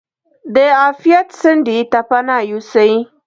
د عافیت څنډې ته پناه یوسي.